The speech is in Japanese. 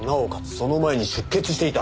その前に出血していた。